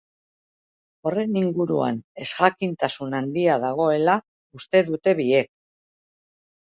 Horren inguruan ezjakintasun handia dagoela uste dute biek.